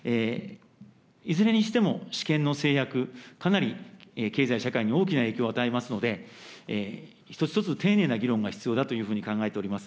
いずれにしても私権の制約、かなり経済、社会に大きな影響を与えますので、一つ一つ丁寧な議論が必要だというふうに考えております。